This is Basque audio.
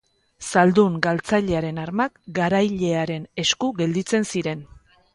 Zaldun galtzailearen armak garailearen esku gelditzen ziren.